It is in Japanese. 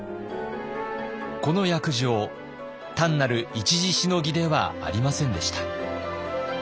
この約定単なる一時しのぎではありませんでした。